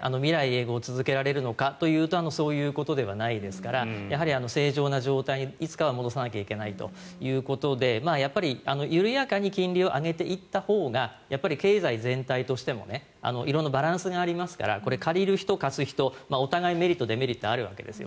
永劫続けられるのかというとそういうことではないですからやはり正常な状態にいつかは戻さないといけないということで緩やかに金利を上げていったほうが経済全体としても色んなバランスがありますからこれ、借りる人、貸す人お互いにメリット、デメリットあるわけですね。